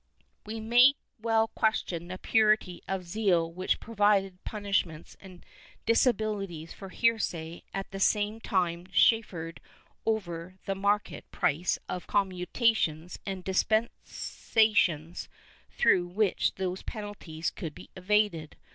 We may well question the purity of zeal which provided punish ments and disabilities for heresy and at the same time chaffered over the market price of commutarions and dispensations through which those penalties could be evaded.